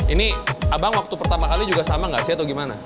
ini abang waktu pertama kali juga sama gak sih atau gimana